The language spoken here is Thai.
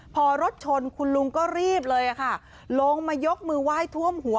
พอรถชนคุณลุงก็รีบเลยค่ะลงมายกมือไหว้ท่วมหัว